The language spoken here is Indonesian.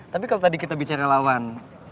tapi kalau tadi kita bicara lawan